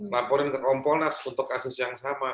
laporin ke kompolnas untuk kasus yang sama